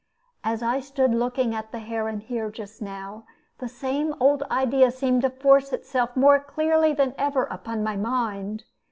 As I stood looking at the heron here just now, the same old idea seemed to force itself more clearly than ever upon my mind.